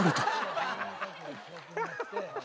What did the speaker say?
「ハハハハ！」